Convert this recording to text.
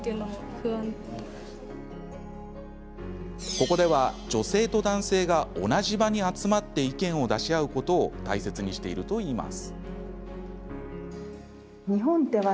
ここでは女性と男性が同じ場に集まって意見を出し合うことを大切にしているといいます。